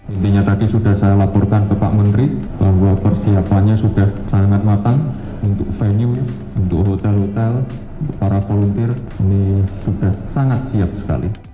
intinya tadi sudah saya laporkan ke pak menteri bahwa persiapannya sudah sangat matang untuk venue untuk hotel hotel para volunteer ini sudah sangat siap sekali